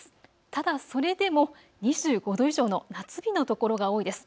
ただそれでも２５度以上の夏日の所が多いです。